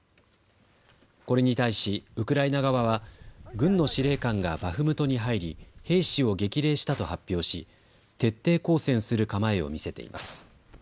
これに対しウクライナ側は軍の司令官がバフムトに入り兵士を激励したと発表し徹底抗戦する構えを見せています。